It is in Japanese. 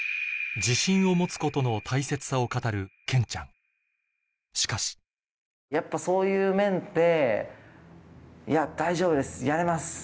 自信を持つことの大切さを語るケンちゃんしかしやっぱそういう面って。